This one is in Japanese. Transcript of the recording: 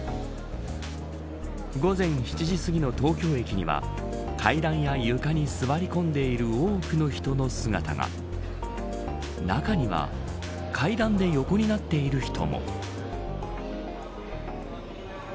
午前７時すぎの東京駅には階段や床に座り込んでいる多くの人の姿が中には階段で横になっている人も。